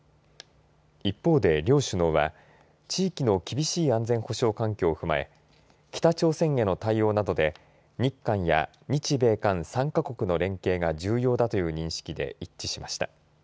一方で両首脳は地域の厳しい安全保障環境を踏まえ北朝鮮への対応などで日韓や日米韓３か国の連携が重要だという認識で一致しました。